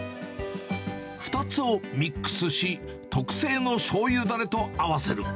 ２つをミックスし、特製のしょうゆだれと合わせる。